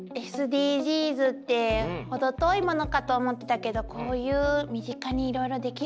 ＳＤＧｓって程遠いものかと思ってたけどこういう身近にいろいろできるのがあるのね。